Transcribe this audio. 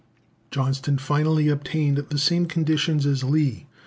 Johnston finally obtained the same conditions as Lee.